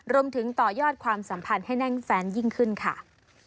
ต่อยอดความสัมพันธ์ให้แน่นแฟนยิ่งขึ้นค่ะ